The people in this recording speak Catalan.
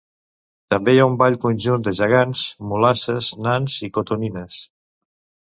També hi ha un ball conjunt de Gegants, Mulasses, nans i cotonines.